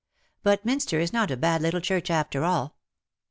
But Minster is not a bad little church after all.